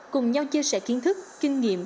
cùng nhau chia sẻ kiến thức kinh nghiệm